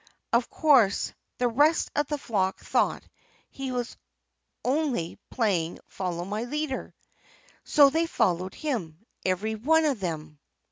Of course the rest of the flock thought he was only playing Follow My Leader. So they followed him, every one of them.